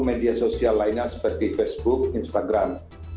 media sosial lainnya seperti facebook instagram